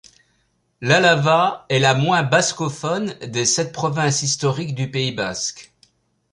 L'Alava est la moins bascophone des sept provinces historiques du Pays basque.